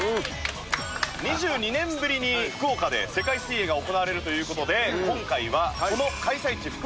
２２年ぶりに福岡で世界水泳が行われるという事で今回はこの開催地福岡をですね